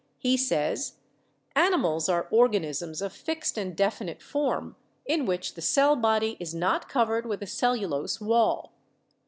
He says: "Animals are organisms of fixed and definite form, in which the cell body is not covered with a cellulose wall.